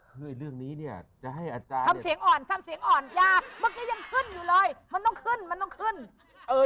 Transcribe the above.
คืออีกเรื่องนี้เนี้ย